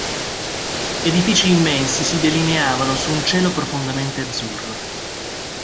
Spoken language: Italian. Edifici immensi si delineavano su un cielo profondamente azzurro.